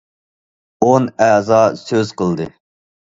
ئون ئەزا سۆز قىلدى.